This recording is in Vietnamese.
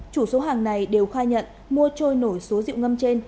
chủ số hàng này đều khai nhận mua trôi nổi số rượu ngâm trên